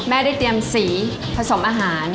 ได้เตรียมสีผสมอาหาร